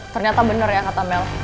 ternyata benar ya kata mel